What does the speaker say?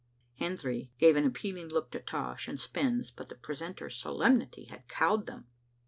" Hendry gave an appealing look to Tosh and Spens, but the precentor's solemnity had cowed them.